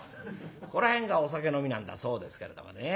ここら辺がお酒飲みなんだそうですけれどもね。